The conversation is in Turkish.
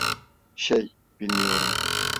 Şey, bilmiyorum.